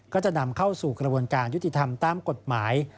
ก็จะนำเข้าสู่กระบวนการยุติธรรมตามกฎหมาย